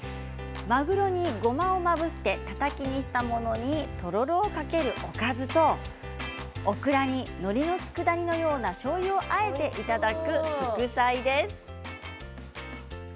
まぐろに、ごまをまぶしてたたきにしたものにとろろをかけるおかずとオクラにのりのつくだ煮のようなしょうゆをあえていただく副菜です。